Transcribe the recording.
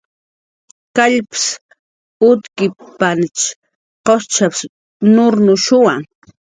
Kallps utkipanch gusp nurnuchwa